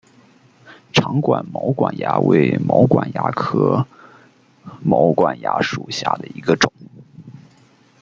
长管毛管蚜为毛管蚜科毛管蚜属下的一个种。